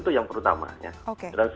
itu yang terutamanya